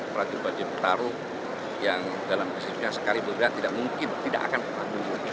perajuan perajuan petarung yang dalam kesimpulannya sekali berat tidak mungkin tidak akan berlaku